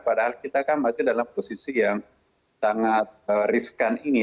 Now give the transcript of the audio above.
padahal kita kan masih dalam posisi yang sangat riskan ini